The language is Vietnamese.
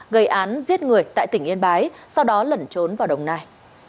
gây án giết người tại tỉnh yên bái sau đó lẩn trốn vào đồng nai